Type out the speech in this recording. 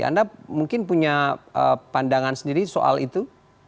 anda mungkin punya pandangan sendiri soal itu